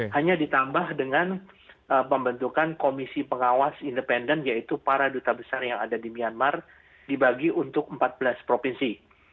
hanya ditambah dengan pembentukan komisi pengawas independen yaitu para duta besar yang ada di myanmar dibagi untuk empat belas provinsi